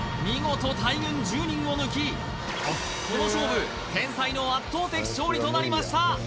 見事大群１０人を抜きこの勝負天才の圧倒的勝利となりました